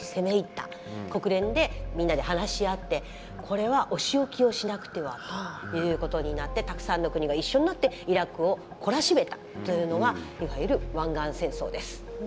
国連でみんなで話し合ってこれはお仕置きをしなくてはということになってたくさんの国が一緒になってイラクを懲らしめたというのがいわゆる湾岸戦争です。